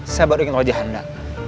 saya baru ingin tahu aja anda